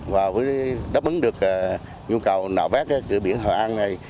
và đáp ứng được nhu cầu nạo vét cửa biển hậu an này